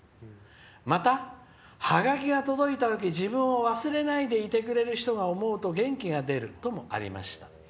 また、ハガキが届いたとき自分を忘れないでいてくれると思うと元気が出るともありました。